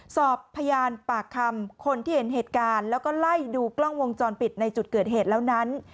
สอบพยานปากคำคนที่เห็นเหตุการณ์แล้วก็ไล่ดูกล้องวงจรปิดในจุดเกิดเหตุแล้วนั้น